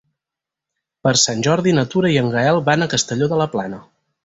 Per Sant Jordi na Tura i en Gaël van a Castelló de la Plana.